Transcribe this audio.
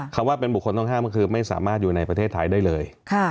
คำว่าเป็นบุคคลต้องห้ามก็คือไม่สามารถอยู่ในประเทศไทยได้เลย